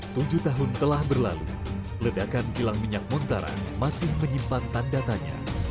tujuh tahun telah berlalu ledakan kilang minyak montarang masih menyimpan tanda tanya